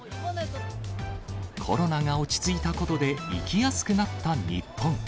コロナが落ち着いたことで行きやすくなった日本。